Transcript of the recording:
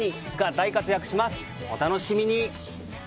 お楽しみに。